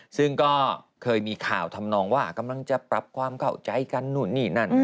ซึ่งก็เคยมีข่าวทำนองว่ากำลังจะปรับความเข้าใจกันนู่นนี่นั่น